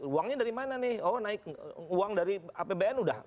uangnya dari mana nih oh naik uang dari apbn udah